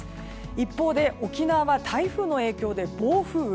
一方で沖縄は台風の影響で暴風雨。